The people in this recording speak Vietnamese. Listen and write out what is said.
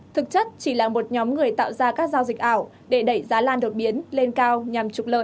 thực chất chỉ là một nhóm người tạo ra các giao dịch ảo để đẩy giá lan đột biến lên cao nhằm trục lợi